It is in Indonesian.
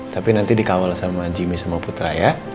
tapi nanti dikawal sama jimmy semua putra ya